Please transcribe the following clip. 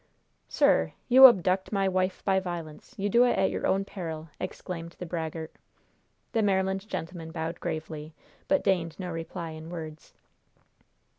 "Sir, you abduct my wife by violence! You do it at your own peril!" exclaimed the braggart. The Maryland gentleman bowed gravely, but deigned no reply in words.